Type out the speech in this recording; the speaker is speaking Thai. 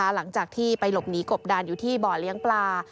หลังจากที่ไปหลบหนีกบดานอยู่ที่บ่อเลี้ยงปลา